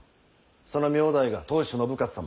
その名代が当主信雄様。